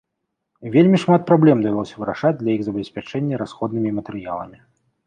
Вельмі шмат праблем давялося вырашаць для іх забеспячэння расходнымі матэрыяламі.